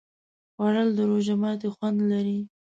خوړل د روژه ماتي خوند لري